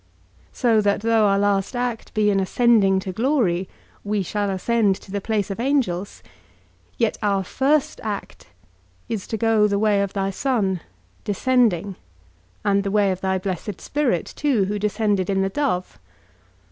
So that though our last act be an ascending to glory (we shall ascend to the place of angels), yet our first act is to go the way of thy Son, descending, and the way of thy blessed Spirit too, who descended in the dove.